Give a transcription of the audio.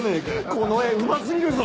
この絵うま過ぎるぞ！